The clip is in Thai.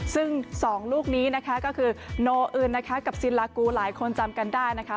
ซึ่ง๒ลูกนี้ก็คือโนอื่นซิลลากูหลายคนจำกันได้นะคะ